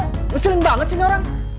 kesulitan banget sih ini orang